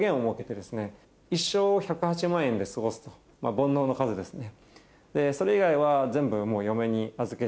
煩悩の数ですね。